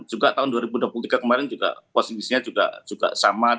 juga tahun dua ribu dua puluh tiga kemarin juga posisinya juga sama